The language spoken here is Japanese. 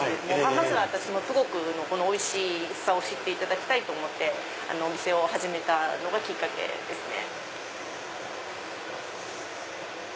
まずはプゴクのおいしさを知っていただきたいと思ってお店を始めたのがきっかけですね。